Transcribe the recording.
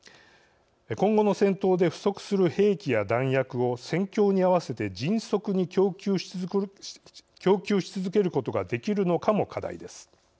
今後の戦闘で不足する兵器や弾薬を戦況に合わせて迅速に供給し続けることができるのかも課題です。